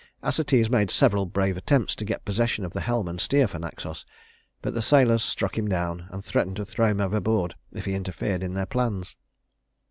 Acetes made several brave attempts to get possession of the helm and steer for Naxos, but the sailors struck him down, and threatened to throw him overboard if he interfered in their plans.